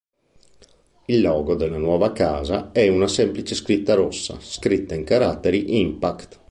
Il logo della nuova casa è una semplice scritta rossa scritta in caratteri Impact.